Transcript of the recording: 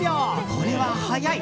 これは早い！